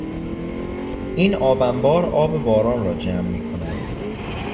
این آب انبار آب باران را جمع میکند.